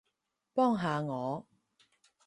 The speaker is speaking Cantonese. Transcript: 幫下我